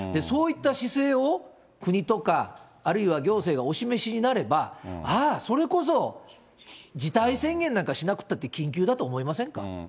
そういった姿勢を、国とかあるいは行政がお示しになれば、あー、それこそ事態宣言なんかしなくても緊急だと思いませんか。